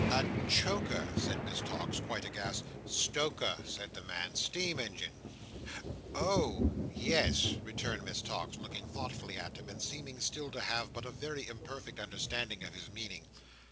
"A choker!" said Miss Tox, quite aghast. "Stoker," said the man. "Steam ingine." "Oh h! Yes!" returned Miss Tox, looking thoughtfully at him, and seeming still to have but a very imperfect understanding of his meaning.